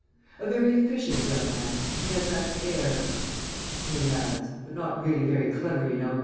"A very efficient young man. He has that air." "He has. But not really very clever, you know.